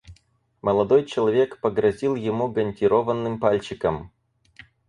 Молодой человек погрозил ему гантированным пальчиком.